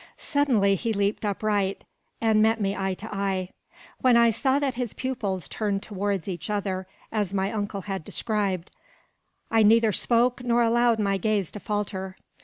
Suddenly he leaped upright, and met me eye to eye. Then I saw that his pupils turned towards each other, as my uncle had described. I neither spoke, nor allowed my gaze to falter.